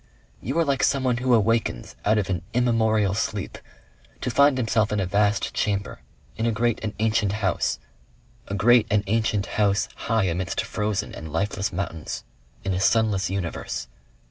You are like someone who awakens out of an immemorial sleep to find himself in a vast chamber, in a great and ancient house, a great and ancient house high amidst frozen and lifeless mountains in a sunless universe.